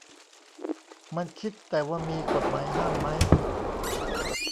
มันคิดแต่ว่ามี 'กฎหมายห้าม' มั้ย